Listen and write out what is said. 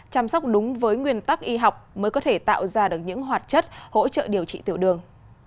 chăm sóc đúng với nguyên tắc y học mới có thể tạo ra được những hoạt chất hỗ trợ điều trị tiểu đường